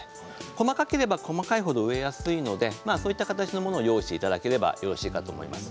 細かければ細かいほど植えやすいのでそういったものを用意していただければよろしいかと思います。